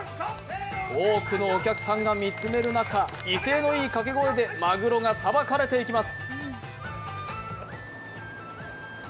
多くのお客さんが見つめる中、威勢のいい掛け声でマグロがさばかれていきます。